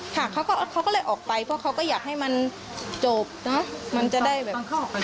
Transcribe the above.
ค่ะเขาก็เลยออกไปเพราะเขาก็อยากให้มันจบเนอะมันจะได้แบบ